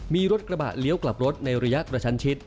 มีรถกระบะเลี้ยวกลับรถในระยะกระชันชิด